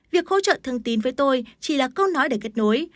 việc hỗ trợ thân tín với tôi chỉ là câu nói để kết nối